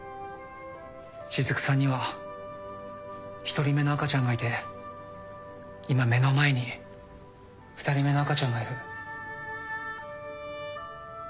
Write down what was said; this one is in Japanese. しずくさんには１人目の赤ちゃんがいて今目の前に２人目の赤ちゃんがいる。